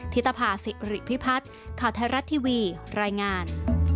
ธิตภาษิริพิพัฒน์ข่าวไทยรัฐทีวีรายงาน